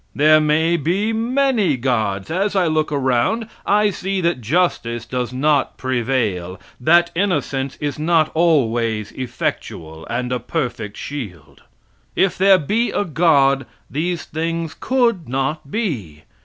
There may be many gods. As I look around I see that justice does not prevail, that innocence is not always effectual and a perfect shield. If there be a God these things could not be.